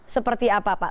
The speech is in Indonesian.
seperti apa pak